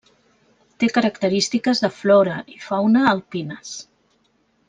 Té característiques de flora i fauna alpines.